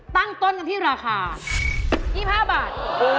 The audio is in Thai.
ตั้งต้นกันที่ราคา๒๕บาท